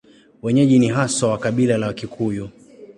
Wenyeji ni haswa wa kabila la Wakikuyu.